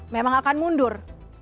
memang akan mundur